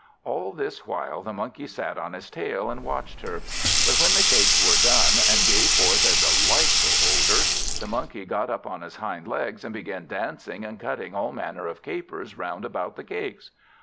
All this while, the Monkey sat on his tail, and watched her. But when the cakes were done, and gave forth a delightful odour, the Monkey got up on his hind legs, and began dancing and cutting all manner of capers round about the cakes.